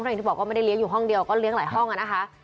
อย่างที่บอกว่าไม่ได้เลี้ยงอยู่ห้องเดียวก็เลี้ยงหลายห้องอะนะคะ